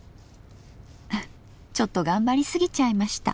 ちょっと頑張りすぎちゃいました。